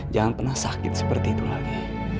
jangan pernah sakit seperti itu lagi